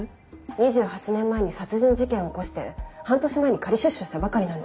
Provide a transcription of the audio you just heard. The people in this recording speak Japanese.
２８年前に殺人事件を起こして半年前に仮出所したばかりなの。